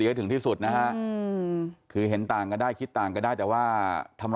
ไม่ได้อย่ามาตีเราอายุ๖๘แล้วอ่ะก็ไม่ทำได้มันแล้วมันมาตีเราขนาดนี้